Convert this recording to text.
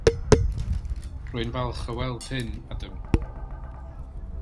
Rwy'n falch o weld hyn, Adam.